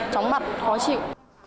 cháu mặt khó chịu